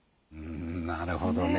なるほどね。